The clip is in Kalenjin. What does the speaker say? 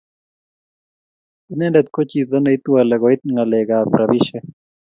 Inendet koo chito neitwale koit ngaleg kap rabishiek.